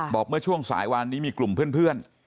บอกเมื่อช่วงสายวันนี้มีกลุ่มเพื่อน